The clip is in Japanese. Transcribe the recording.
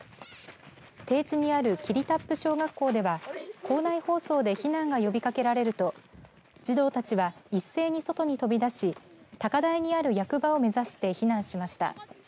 低地にある霧多布小学校では校内放送で避難が呼びかけられると児童たちは一斉に外に飛び出し高台にある役場を目指して避難しました。